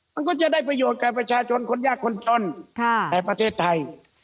มันก็จะได้ประโยชน์กับประชาชนคนยากคนจนในประเทศไทย